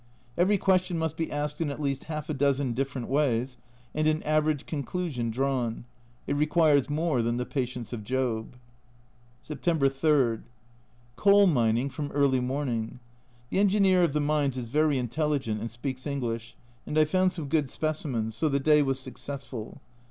Every question must be asked in at least half a dozen different ways, and an average conclusion drawn ; it requires more than the patience of Job. September 3. Coal mining from early morning ; the engineer of the mines is very intelligent and speaks English, and I found some good specimens, so the day was successful.